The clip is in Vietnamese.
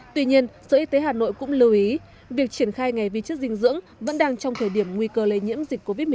tuy nhiên sở y tế hà nội cũng lưu ý việc triển khai ngày vi chất dinh dưỡng vẫn đang trong thời điểm nguy cơ lây nhiễm dịch covid một mươi chín